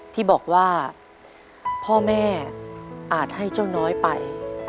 ที่บอกว่าพ่อแม่อาจให้เจ้าน้อยไป